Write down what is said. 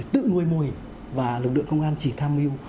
tự nuôi mô hình và lực lượng công an chỉ tham mưu